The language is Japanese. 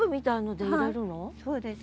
そうです。